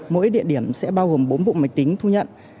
mỗi địa điểm sẽ bao gồm bốn bộ máy tính thu nhận